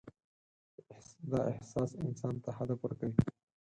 دا احساس انسان ته هدف ورکوي.